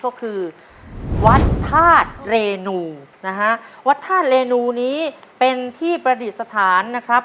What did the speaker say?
ก็คือวัดธาตุเรนูนะฮะวัดธาตุเรนูนี้เป็นที่ประดิษฐานนะครับ